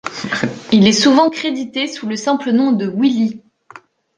Il est souvent crédité sous le simple nom de Willy.